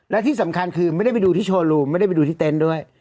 และที่สำคัญคือไม่ได้ไปดูที่โชว์รูมไม่ได้ไปดูที่เต็นต์ด้วย